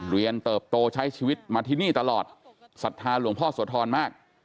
เติบโตใช้ชีวิตมาที่นี่ตลอดศรัทธาหลวงพ่อโสธรมาก